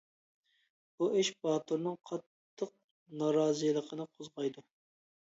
بۇ ئىش باتۇرنىڭ قاتتىق نارازىلىقىنى قوزغايدۇ.